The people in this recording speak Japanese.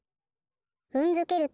ふんづけると。